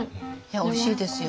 おいしいですよ。